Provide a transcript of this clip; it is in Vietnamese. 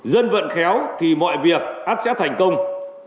dân vận khéo thì mọi việc ác sẽ thành công